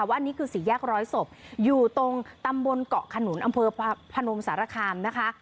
ว่าอันนี้คือสี่แยกร้อยศพอยู่ตรงตำบลเกาะขนุนอำเภอพนมสารคามนะคะ